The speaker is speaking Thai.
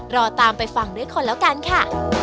รอตามไปฟังด้วยคนแล้วกันค่ะ